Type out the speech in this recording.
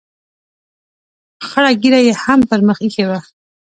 خړه ږیره یې هم پر مخ اېښې وه.